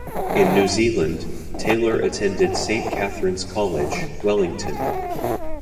In New Zealand, Taylor attended Saint Catherine's College, Wellington.